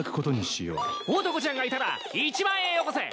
おと子ちゃんがいたら１万円よこせ！